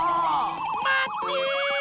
まって！